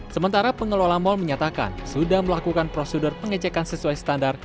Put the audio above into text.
sementara pengelola mal menyatakan sudah melakukan prosedur pengecekan sesuai standar